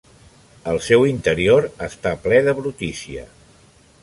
El seu interior està ple de brutícia.